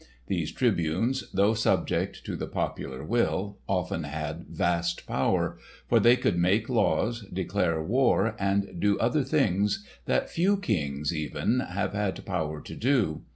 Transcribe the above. These Tribunes, though subject to the popular will, often had vast power, for they could make laws, declare war, and do other things that few kings, even, have had power to do.